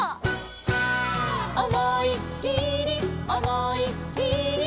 「おもいっきりおもいっきり」